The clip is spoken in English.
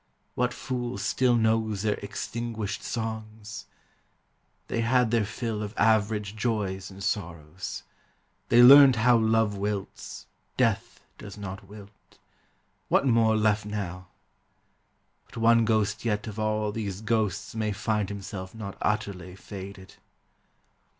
What fool still Knows their extinguished songs? They had their fill GHOSTS GATHERING Of average joys and sorrows. They learned how Love wilts, Death does not wilt. What more left now? But one ghost yet of all these ghosts may find Himself not utterly faded.